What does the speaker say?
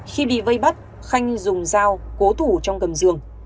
khi bị vây bắt khanh dùng dao cố thủ trong cầm giường